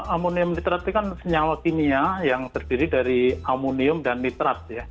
amonium nitrat itu kan senyawa kimia yang terdiri dari amonium dan nitrat